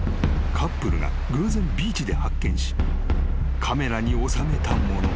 ［カップルが偶然ビーチで発見しカメラに収めたもの］